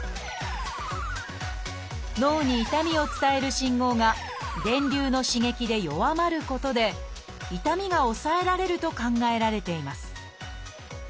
脳に痛みを伝える信号が電流の刺激で弱まることで痛みが抑えられると考えられています。